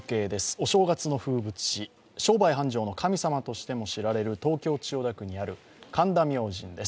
お正月の風物詩商売繁盛の神様としても知られる東京・千代田区にある神田明神です